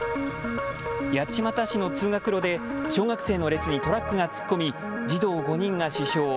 八街市の通学路で小学生の列にトラックが突っ込み児童５人が死傷。